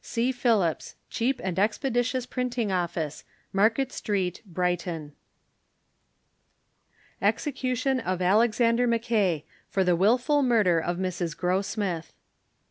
C. Phillips, cheap and expeditioius Printing Office, Market Street, Brighton. EXECUTION OF ALEXANDER MACKAY For the Wilful Murder of Mrs. Grossmith.